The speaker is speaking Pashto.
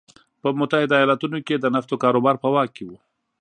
په متحده ایالتونو کې یې د نفتو کاروبار په واک کې و.